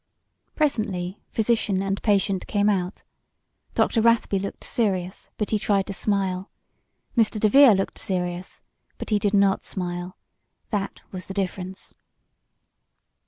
Presently physician and patient came out Dr. Rathby looked serious, but he tried to smile. Mr. DeVere looked serious but he did not smile. That was the difference.